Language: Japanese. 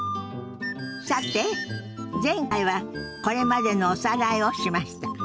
さて前回はこれまでのおさらいをしました。